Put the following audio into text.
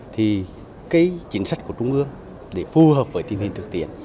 thì cái chính sách của trung ương để phù hợp với tình hình thực tiễn